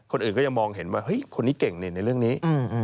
คนอื่นก็ยังมองเห็นว่าเฮ้ยคนนี้เก่งนี่ในเรื่องนี้